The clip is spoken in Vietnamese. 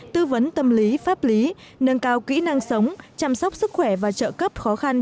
tư vấn tâm lý pháp lý nâng cao kỹ năng sống chăm sóc sức khỏe và trợ cấp khó khăn